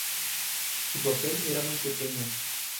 Su papel era muy pequeño.